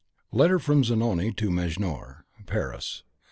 Letter from Zanoni to Mejnour. Paris.